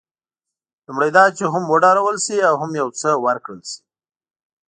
لومړی دا چې هم وډارول شي او هم یو څه ورکړل شي.